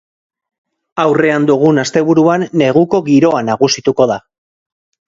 Aurrean dugun asteburuan neguko giroa nagusituko da.